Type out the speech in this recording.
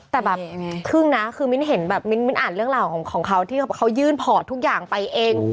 แต่แบบครึ่งนะคือมิ้นเห็นแบบมิ้นอ่านเรื่องราวของเขาที่เขายื่นพอร์ตทุกอย่างไปเอง